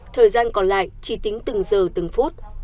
thời gian còn lại chỉ tính từng giờ từng phút